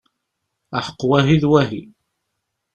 Aḥeqq wahi d wahi!